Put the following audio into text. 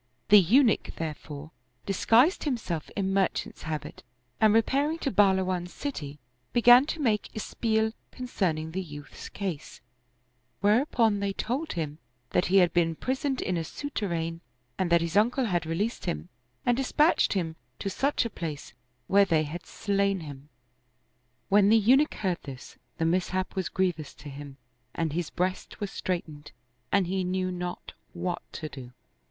The Eunuch, therefore, disguised himself in merchant's habit and repair ing to Bahluwan's city, began to make espial concerning the youth's case; whereupon they told him that he had been prisoned in a souterrain and that his uncle had released him and dispatched him to such a place, where they had slain him. When the Eunuch heard this, the mishap was grievous to 74 The Scar on the Throat him and his breast was straitened and he knew not what to do.